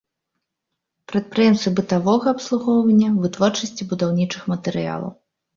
Прадпрыемствы бытавога абслугоўвання, вытворчасці будаўнічых матэрыялаў.